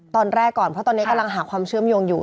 ตอนแรกก่อนเพราะตอนนี้กำลังหาความเชื่อมโยงอยู่